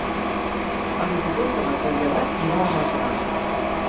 El vint-i-tres de maig en Gerard irà a Massanassa.